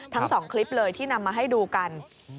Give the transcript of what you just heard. ทั้ง๒คลิปเลยที่นำมาให้ดูกัน